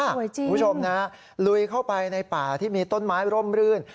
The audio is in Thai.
คุณผู้ชมนะลุยเข้าไปในป่าที่มีต้นไม้ร่มรื่น